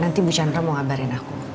nanti bu chandra mau ngabarin aku